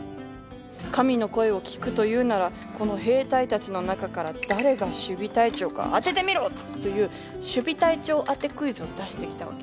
神の声を聞くというならこの兵隊たちの中からという守備隊長当てクイズを出してきたわけ。